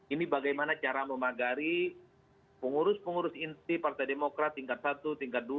ini bagaimana cara memagari pengurus pengurus inti partai demokrat tingkat satu tingkat dua